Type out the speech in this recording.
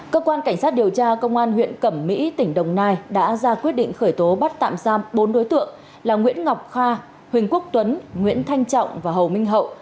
cơ quan cảnh sát điều tra công an huyện cẩm mỹ tỉnh đồng nai đã ra quyết định khởi tố bắt tạm giam bốn đối tượng là nguyễn ngọc kha huỳnh quốc tuấn nguyễn thanh trọng và hồ minh hậu